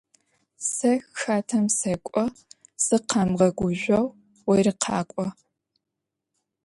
Сэ хатэм сэкӏо, зыкъэмыгъэгужъоу ори къакӏо.